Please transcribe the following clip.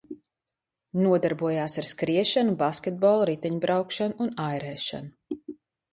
Nodarbojās ar skriešanu, basketbolu, riteņbraukšanu un airēšanu.